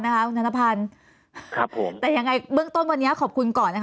คุณธนพันธ์ครับผมแต่ยังไงเบื้องต้นวันนี้ขอบคุณก่อนนะคะ